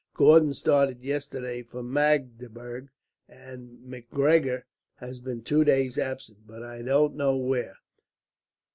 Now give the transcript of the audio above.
Gordon started yesterday for Magdeburg, and Macgregor has been two days absent, but I don't know where.